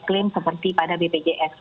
klaim seperti pada bpjs